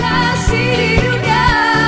kasih di dunia